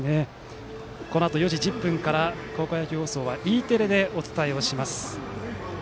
このあと４時１０分から高校野球放送はＥテレでお伝えをします。